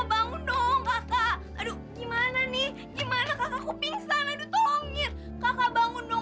kakak bangun dong kakak